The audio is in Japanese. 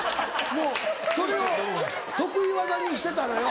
もうそれを得意技にしてたのよ。